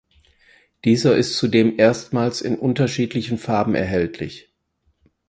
Dieser ist zudem erstmals in unterschiedlichen Farben erhältlich.